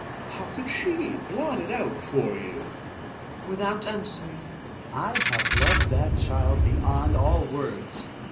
How could she blot it out for you ? Hjalmar {mthout answemng). I have loved that child beyond all words.